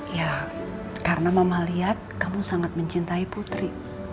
ya karena mama lihat kamu sangat mencintai putri